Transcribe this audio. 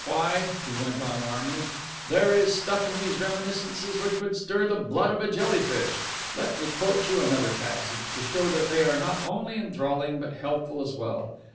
Why," he went on warmly, "there is stuff in these reminiscences which would stir the blood of a jellyfish. Let me quote you another passage, to show that they are not only enthralling, but helpful as well.